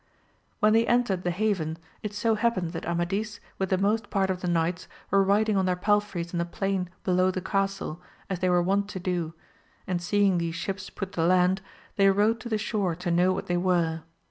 When they entered the haven, it so happened that Amadis with the most part of the knights were riding on their palfreys in the plain below the castle, as they were wont to do, and seeing these ships put to land, they rode to the shore to know what they were.